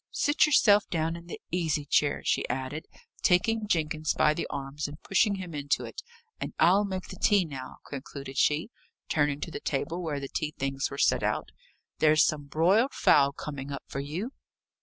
Sit yourself down in the easy chair," she added, taking Jenkins by the arms and pushing him into it. "And I'll make the tea now," concluded she, turning to the table where the tea things were set out. "There's some broiled fowl coming up for you."